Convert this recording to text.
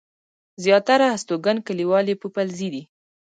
زياتره هستوګن کلیوال يې پوپلزي دي.